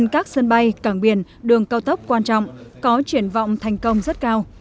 có truyền vọng thành công rất cao